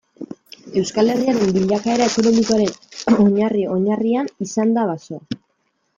Euskal Herriaren bilakaera ekonomikoaren oinarri-oinarrian izan da basoa.